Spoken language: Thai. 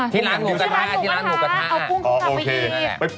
ที่ร้านหงูกระทะเอาพุ่งคุณกลับไปอีก